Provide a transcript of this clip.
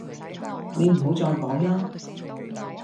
你唔好再講啦